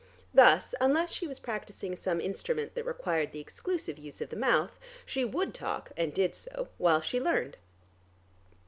Thus unless she was practising some instrument that required the exclusive use of the mouth, she would talk (and did so) while she learned.